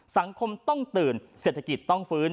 สังคมต้องตื่นเศรษฐกิจต้องฟื้น